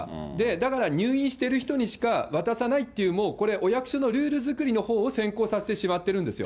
だから、入院してる人にしか渡さないっていう、もうお役所のルール作りのほうを先行させてしまってるんですよ。